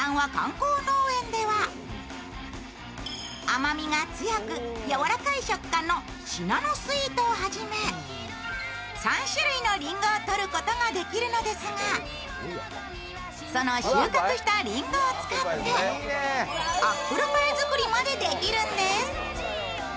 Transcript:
甘みが強く、やわらかい食感のシナノスイートを始め３種類のりんごを採ることができるのですがその収穫したりんごを使ってアップルパイ作りまでできるんです。